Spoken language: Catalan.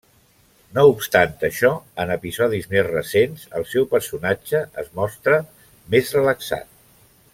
No obstant això, en episodis més recents, el seu personatge es mostra més relaxat.